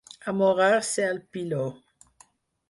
Amorrar-se al piló.